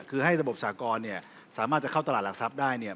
คือให้ระบบสากรสามารถจะเข้าตลาดหลักทรัพย์ได้เนี่ย